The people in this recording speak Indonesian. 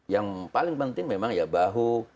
yang paling penting memang ya bahu